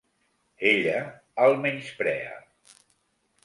Ella el menysprea.